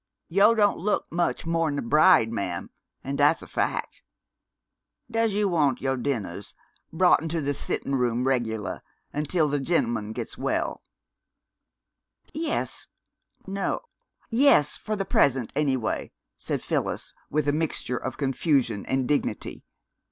Yo' don' look much mo'n a bride, ma'am, an' dat's a fac'. Does you want yo' dinnehs brought into de sittin' room regular till de gem'man gits well?" "Yes no yes for the present, any way," said Phyllis, with a mixture of confusion and dignity.